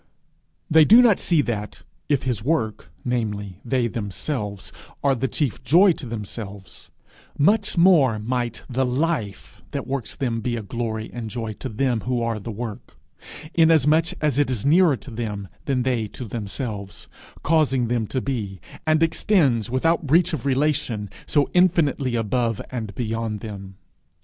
They do not see that, if his work, namely, they themselves, are the chief joy to themselves, much more might the life that works them be a glory and joy to them the work inasmuch as it is nearer to them than they to themselves, causing them to be, and extends, without breach of relation, so infinitely above and beyond them.